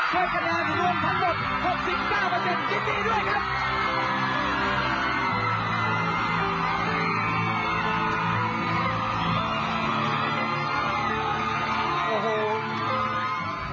เพิ่มกระดาษอยู่รวม๑๑๖๙๗ปีด้วยครับ